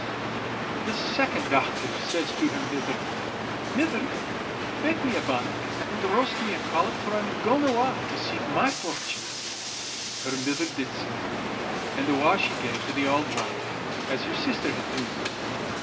The second dochter next says to her mither: "Mither, bake me a bannock, and roast me a collop, fur I'm gaun awa' to seek my fortune." Her mither did sae; and awa' she gaed to the auld wife, as her sister had dune.